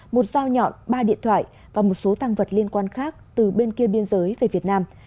một dao nhọn ba điện thoại và một số tăng vật liên quan khác từ bên kia biên giới về việt nam